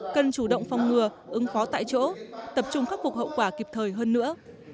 cần chủ động phòng ngừa ứng phó tại chỗ tập trung khắc phục hậu quả kịp thời hơn nữa